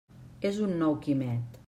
És un nou Quimet.